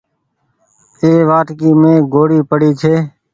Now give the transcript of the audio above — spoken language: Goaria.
اي وآٽڪي مين ڳوڙي پري ڇي۔